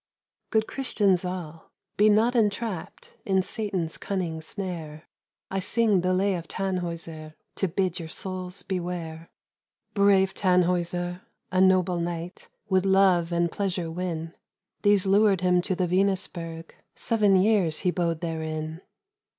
I. Good Christians all, be not entrapped In Satan's cunning snare. I sing the lay of Tannhäuser, To bid your souls beware. Brave Tannhäuser, a noble knight, Would love and pleasure win. These lured him to the Venusberg. Seven years he bode therein.